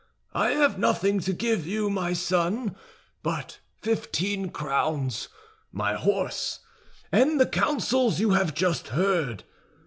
I have nothing to give you, my son, but fifteen crowns, my horse, and the counsels you have just heard.